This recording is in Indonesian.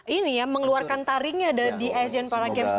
ini ya mengeluarkan taringnya di asian paralympics dua ribu delapan belas kelas